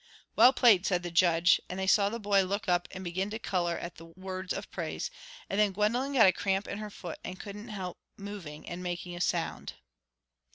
"Well played," said the judge, and they saw the boy look up and begin to colour a little at the words of praise; and then Gwendolen got a cramp in her foot and couldn't help moving and making a sound.